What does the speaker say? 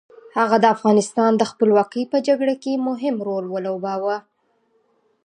هغه د افغانستان د خپلواکۍ په جګړه کې مهم رول ولوباوه.